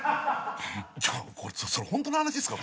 ちょっそれホントの話っすか？